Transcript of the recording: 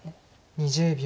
２０秒。